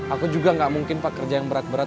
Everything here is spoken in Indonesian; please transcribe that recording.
aku juga gak mungkin pak kerja yang berat berat